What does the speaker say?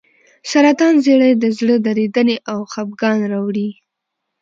سرطان زیړی د زړه درېدنې او خپګان راوړي.